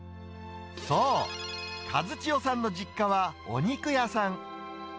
そう、和千代さんの実家はお肉屋さん。